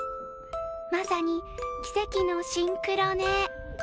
まさに、奇跡のシンクロ寝。